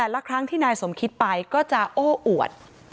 ละครั้งที่นายสมคิดไปก็จะโอ้อวด